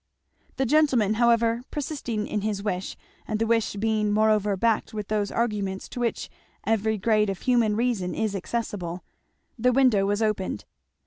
The gentleman however persisting in his wish and the wish being moreover backed with those arguments to which every grade of human reason is accessible, the window was opened.